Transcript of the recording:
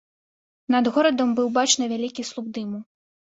Над горадам быў бачны вялікі слуп дыму.